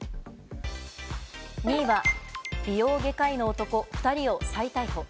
２位は、美容外科医の男２人を再逮捕。